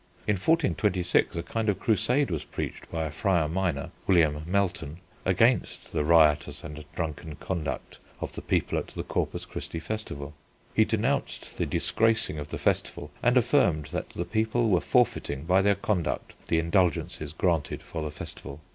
In 1426 a kind of crusade was preached by a friar minor, William Melton, against the riotous and drunken conduct of the people at the Corpus Christi festival. He denounced the disgracing of the festival and affirmed that the people were forfeiting by their conduct the indulgences granted for the festival.